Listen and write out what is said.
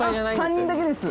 ３人だけです。